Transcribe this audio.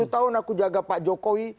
sepuluh tahun aku jaga pak jokowi